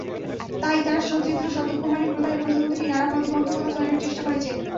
তাই তারা সচিত্র সতর্কবাণী প্রদানে প্রথম থেকেই নানা প্রতিবন্ধকতা তৈরির চেষ্টা করেছে।